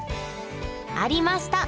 ありました！